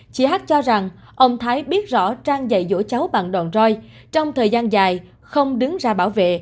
chị h cho rằng ông thái biết rõ trang dạy dỗ cháu bằng đòn roi trong thời gian dài không đứng ra bảo vệ